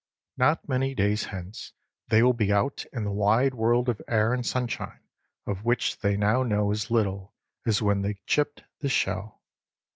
Not many days hence they will be out in the wide world of air and sunshine of which they now know as little as when they chipped the shell.